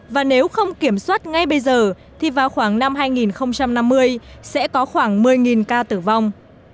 và nếu không kiểm soát ngay bây giờ thì vào khoảng năm hai nghìn năm mươi sẽ có khoảng một mươi ca tử vong